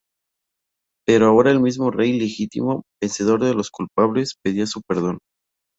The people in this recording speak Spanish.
Pero ahora el mismo rey legítimo, vencedor de los culpables, pedía su perdón.